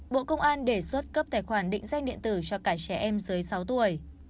bộ công an đề xuất cấp tài khoản định danh điện tử cho cả trẻ em dưới sáu tuổi